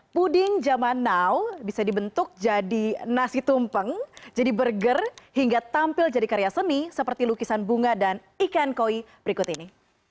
puding zaman now bisa dibentuk jadi nasi tumpeng jadi burger hingga tampil jadi karya seni seperti lukisan bunga dan ikan koi berikut ini